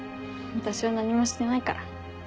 私は何もしてないから。